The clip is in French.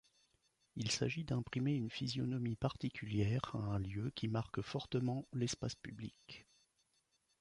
Il s’agit d’imprimer une physionomie particulière à un lieu qui marque fortement l’espace public.